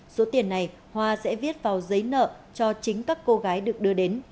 số tiền này hoa sẽ viết vào giấy nợ cho chính các cô gái được đưa đến